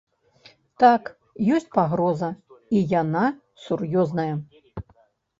Так, ёсць пагроза, і яна сур'ёзная.